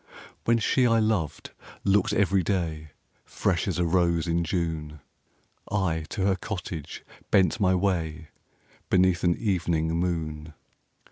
When she I loved looked every day Fresh as a rose in June, I to her cottage bent my way, Beneath an evening moon.